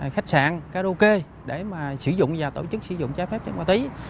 khách sạn karaoke để mà sử dụng và tổ chức sử dụng trái phép chất ma túy